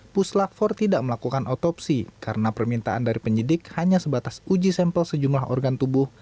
puslap empat tidak melakukan otopsi karena permintaan dari penyidik hanya sebatas uji sampel sejumlah organ tubuh